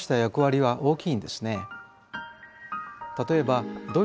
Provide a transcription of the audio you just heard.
はい。